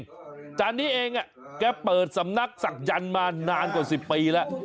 จานนี้เองแกเปิดสำนักศักยันต์มานานกว่า๑๐ปีแล้ว